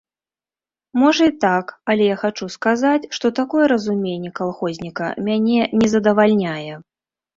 Можа і так, але я хачу сказаць, што такое разуменне калхозніка мяне не задавальняе.